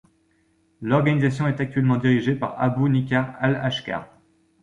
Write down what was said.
L'organisation est actuellement dirigée par Abu Nidal al-Ashqar.